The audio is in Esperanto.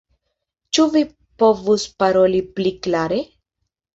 Ĉu vi povus paroli pli klare?